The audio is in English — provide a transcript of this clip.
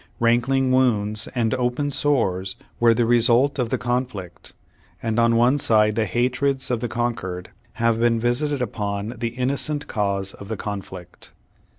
Rankling wounds and open sores were the result of the conflict, and on one side the hatreds of the conquered have been visited upon the innocent cause of the conflict.